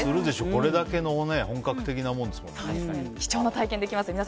これだけの本格的なものですからね。